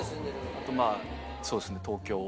あとまぁそうですね東京。